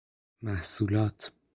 محصولات